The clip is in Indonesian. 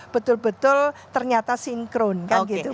betul betul ternyata sinkron kan gitu